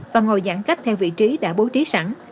và ngồi giãn cách theo vị trí đã bố trí sẵn